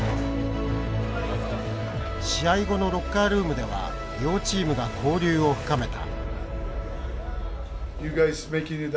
試合後のロッカールームでは両チームが交流を深めた。